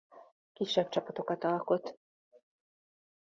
Kisebb csapatokat alkot.